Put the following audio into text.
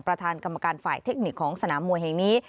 ประธานกรรมการฝ่ายเทคนิคของสนามมวยแห่งนี้